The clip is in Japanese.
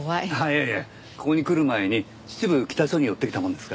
いやいやここに来る前に秩父北署に寄ってきたものですからね